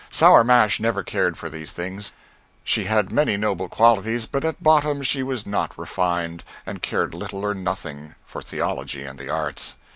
Sour Mash never cared for these things. She had many noble qualities, but at bottom she was not refined, and cared little or nothing for theology and the arts.